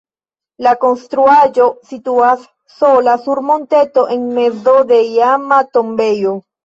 La konstruaĵo situas sola sur monteto en mezo de iama tombejo.